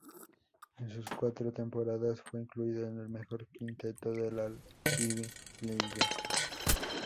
En sus cuatro temporadas fue incluido en el mejor quinteto de la Ivy League.